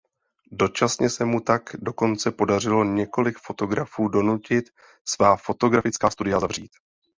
Dočasně se mu tak dokonce podařilo několik fotografů donutit svá fotografická studia zavřít.